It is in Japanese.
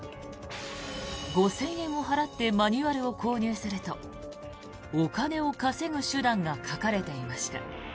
５０００円を払ってマニュアルを購入するとお金を稼ぐ手段が書かれていました。